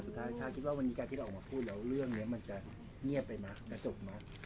สุดท้ายชาคิดว่าวันนี้การที่เราออกมาพูดแล้วเรื่องนี้มันจะเงียบไปมั้ยจะจบมั้ย